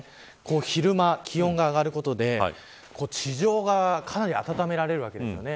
昼間、気温が上がることで地上がかなり暖められるわけですよね。